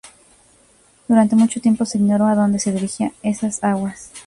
Durante mucho tiempo se ignoró a dónde se dirigían esas aguas.